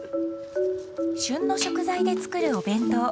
旬の食材で作るお弁当。